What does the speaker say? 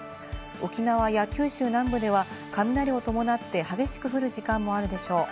沖縄や九州南部では雷を伴って激しく降る時間もあるでしょう。